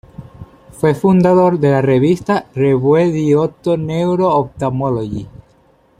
Fue fundador de la revista "Revue d'oto-neuro-ophtalmologie".